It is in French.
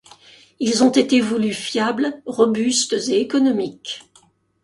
Ils ont été voulus fiables, robustes et économiques.